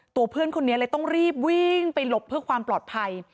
ตัวเพื่อนคนนี้เลยต้องรีบวิ่งไปหลบเพื่อความปลอดภัย